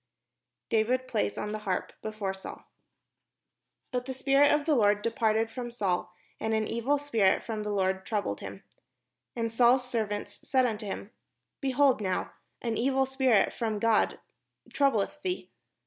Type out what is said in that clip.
] DAVID PLAYS ON THE HARP BEFORE SAUL But the spirit of the Lord departed from Saul, and an evil spirit from the Lord troubled him. And Saul's serv ants said unto him: "Behold now, an evil spirit from God troubleth thee.